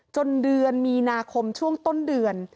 เดือนมีนาคมช่วงต้นเดือน